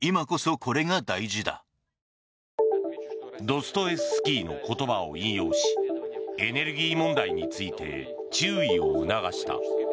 ドストエフスキーの言葉を引用しエネルギー問題について注意を促した。